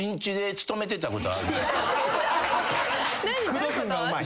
・口説くのうまい。